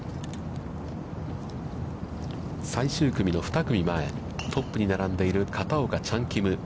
最終組の２組前、トップに並んでいる片岡、チャン・キム。